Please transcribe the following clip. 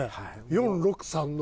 ４６３の。